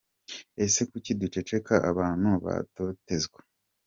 Ese kuki duceceka abantu batotezwa ?